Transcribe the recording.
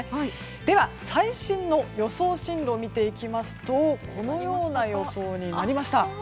では、最新の予想進路を見ていきますとこのような予想になりました。